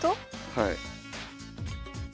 はい。